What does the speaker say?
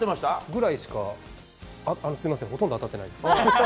ぐらいしか、すみません、ほとんど当たってないです。